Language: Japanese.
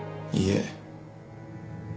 いいえ。